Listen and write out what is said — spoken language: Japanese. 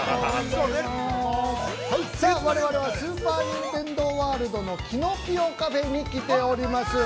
さあ我々はスーパー・ニンテンドー・ワールドのキノピオ・カフェに来ております。